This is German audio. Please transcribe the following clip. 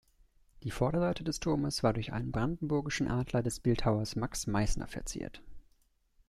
Die Vorderseite des Turmes war durch einen brandenburgischen Adler des Bildhauers Max Meißner verziert.